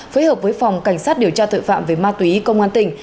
phối hợp với phòng cảnh sát điều tra tội phạm về ma túy công an tỉnh